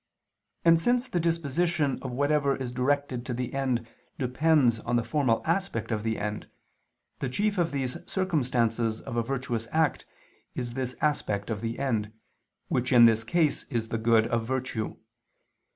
And since the disposition of whatever is directed to the end depends on the formal aspect of the end, the chief of these circumstances of a virtuous act is this aspect of the end, which in this case is the good of virtue.